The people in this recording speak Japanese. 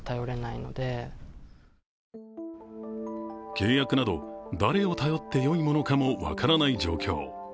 契約など、誰を頼ってもよいのかも分からない状況。